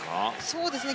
そうですね